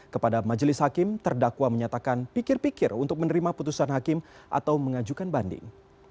kepada majelis hakim terdakwa menyatakan pikir pikir untuk menerima putusan hakim atau mengajukan banding